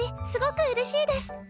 すごくうれしいです。